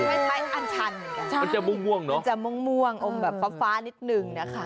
คือคล้ายคล้ายอัญชันเหมือนกันมันจะม่วงม่วงเนอะมันจะม่วงม่วงอมแบบฟ้านิดหนึ่งนะคะ